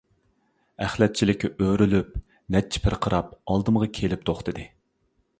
ئەخلەت چىلىكى ئۆرۈلۈپ، نەچچە پىرقىراپ ئالدىمغا كېلىپ توختىدى.